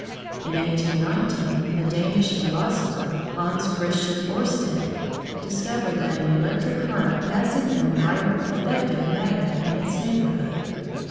In 1819, a Danish philosopher, Hans Christian Oersted, discovered that an electric current passing in a wire affected a magnet in its neighbourhood.